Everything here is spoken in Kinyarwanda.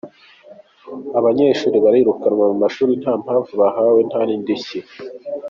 Abanyeshuli barirukanwa mu mashuli nta mpamvu bahawe nta n’indishyi.